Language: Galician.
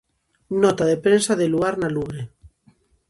Nota de prensa de Luar na Lubre.